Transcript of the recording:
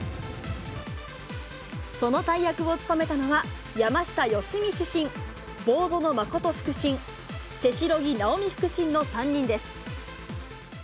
その大役を務めたのは、山下良美主審、坊薗真琴副審、手代木直美副審の３人です。